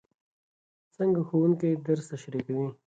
څنګه ښوونکی درس تشریح کوي؟